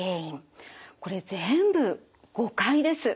これ全部誤解です。